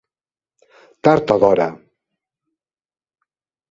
Tard o d'hora.